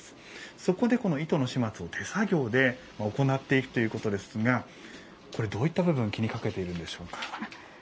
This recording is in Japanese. そこで、糸の始末を手作業で行っていくということですがこれ、どういった部分を気にかけているんでしょうか？